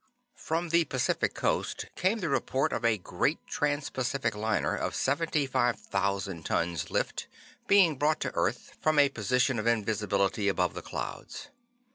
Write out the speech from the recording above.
From the Pacific Coast came the report of a great transpacific liner of 75,000 tons "lift" being brought to earth from a position of invisibility above the clouds.